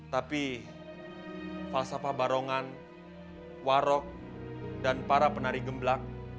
tapi falsafah barongan warok dan para penari gemblak